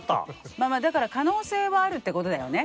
まあまあだから可能性はあるってことだよね